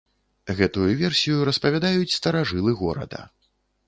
Гэтую версію распавядаюць старажылы горада.